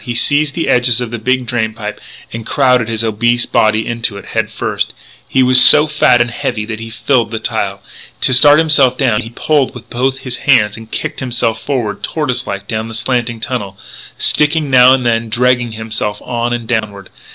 Scarcely aware what he was about, he seized the edges of the big drain pipe and crowded his obese body into it head first. He was so fat and heavy that he filled the tile. To start himself down he pulled with both hands and kicked himself forward, tortoise like, down the slanting tunnel, sticking now and then, dragging himself on and downward.